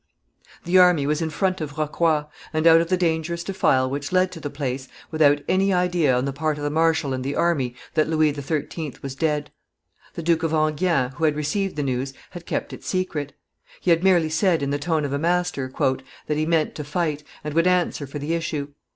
_] The army was in front of Rocroi, and out of the dangerous defile which led to the place, without any idea on the part of the marshal and the army that Louis XIII. was dead. The Duke of Enghien, who had received the news, had kept it secret. He had merely said in the tone of a master "that he meant to fight, and would answer for the issue.